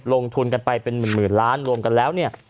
ลงทุนกันไปเป็นหมื่นล้านรวมกันแล้วเนี่ย